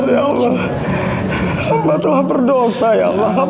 seseorang adalah apa yang ingin saya tanggalkan